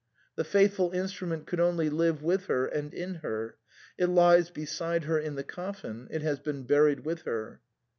The faithful instrument could only live with her and in her ; it lies beside her in the coffin, it has been buried with her."